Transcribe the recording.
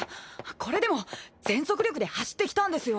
これでも全速力で走ってきたんですよ。